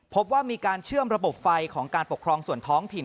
พบว่ามีการเชื่อมระบบไฟของการปกครองส่วนท้องถิ่น